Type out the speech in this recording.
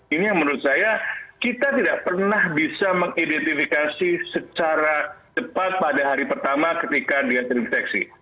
ini yang menurut saya kita tidak pernah bisa mengidentifikasi secara cepat pada hari pertama ketika dia terinfeksi